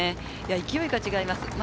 勢いが違います。